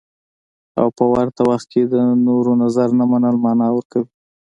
او په ورته وخت کې د نورو نظر نه منل مانا ورکوي.